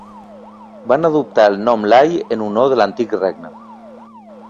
Van adoptar el nom Lai en honor de l'antic regne.